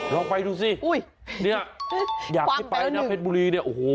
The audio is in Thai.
ลองไปดูสิเนี่ยอยากให้ไปนะเพชรบุรีเนี่ยโอ้โห